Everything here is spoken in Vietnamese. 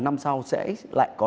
năm sau sẽ lại có